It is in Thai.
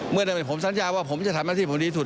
เมื่อได้ผมสัญญาว่าผมจะทำหน้าที่ผมดีสุด